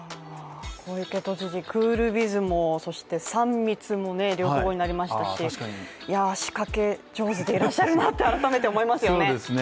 小池都知事、クールビズも、３密も流行語になりましたし仕掛け上手でいらっしゃるなと改めて思いますよね。